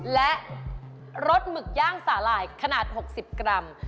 และรสหมึกย่างสาหร่ายขนาด๖๐กรัม